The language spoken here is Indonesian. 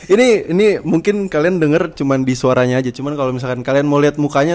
ini ini mungkin kalian denger cuman disuaranya aja cuman kalau misalkan kalian mau lihat mukanya